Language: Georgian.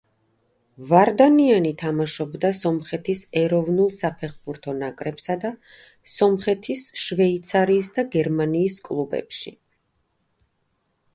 ვარდანიანი თამაშობდა სომხეთის ეროვნულ საფეხბურთო ნაკრებსა და სომხეთის, შვეიცარიის და გერმანიის კლუბებში.